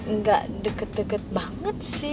nggak deket deket banget sih